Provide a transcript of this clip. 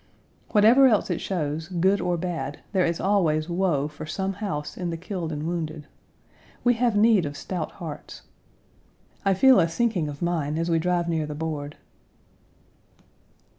Whatever else it shows, good or bad, there is always woe for some house in the killed and wounded. We have need of stout hearts. I feel a sinking of mine as we drive near the board.